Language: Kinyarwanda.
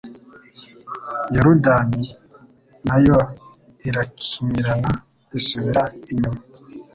Yorudani na yo irakimirana isubira inyuma